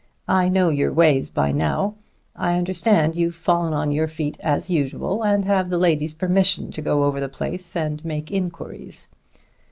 I know your ways by now. I understand you've fallen on your feet as usual, and have the lady's permission to go over the place and make inquiries."